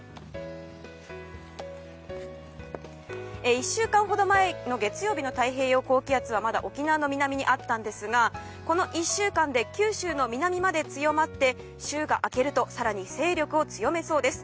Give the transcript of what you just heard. １週間ほど前の月曜日の太平洋高気圧はまだ沖縄の南にあったんですがこの１週間で九州の南まで強まって週が明けると更に勢力を強めそうです。